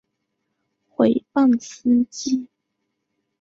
毁谤司机